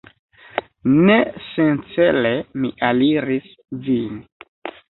Ne sencele mi aliris vin.